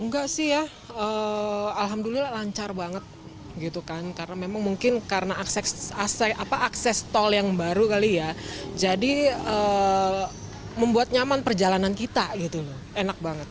enggak sih ya alhamdulillah lancar banget gitu kan karena memang mungkin karena akses tol yang baru kali ya jadi membuat nyaman perjalanan kita gitu loh enak banget